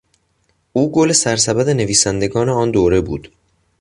او گل سرسبد نویسندگان آن دوره بود.